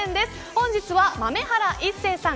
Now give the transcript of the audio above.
本日は豆原一成さん